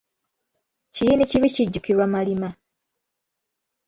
Kiyini kibi kijjukirwa malima.